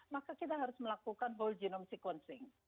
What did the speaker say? maka kita harus melakukan whole genome sequencing